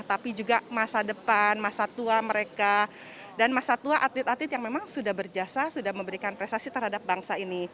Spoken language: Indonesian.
tapi juga masa depan masa tua mereka dan masa tua atlet atlet yang memang sudah berjasa sudah memberikan prestasi terhadap bangsa ini